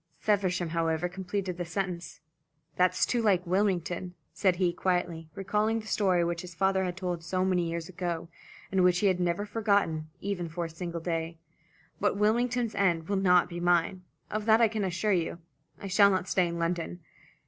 Feversham, however, completed the sentence. "That's too like Wilmington," said he, quietly, recalling the story which his father had told so many years ago, and which he had never forgotten, even for a single day. "But Wilmington's end will not be mine. Of that I can assure you. I shall not stay in London."